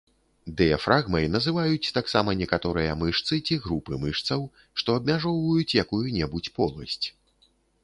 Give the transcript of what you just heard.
Дыяфрагмай называюць таксама некаторыя мышцы ці групы мышцаў, што абмяжоўваюць якую-небудзь поласць.